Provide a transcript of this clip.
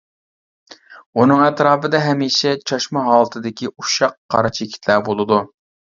ئۇنىڭ ئەتراپىدا ھەمىشە چاچما ھالىتىدىكى ئۇششاق قارا چېكىتلەر بولىدۇ.